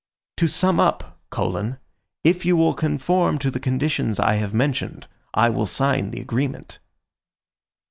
To sum up: If you will conform to the conditions I have mentioned, I will sign the agreement.